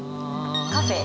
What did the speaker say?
カフェ